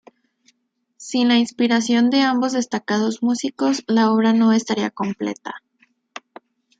Sin la inspiración de ambos destacados músicos, la obra no estaría completa.